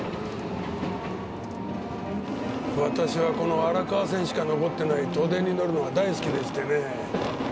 私はこの荒川線しか残ってない都電に乗るのが大好きでしてね。